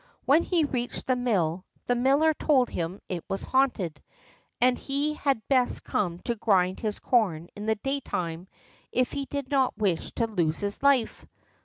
When he reached the mill the miller told him it was haunted, and he had best come to grind his corn in the daytime if he did not wish to lose his life.